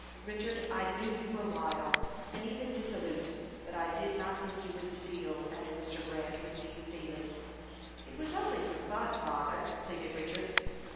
"Richard, I knew you were wild, and even dissolute, but I did not think you would steal," added Mr. Grant, with deep feeling. "It was only for fun, father," pleaded Richard.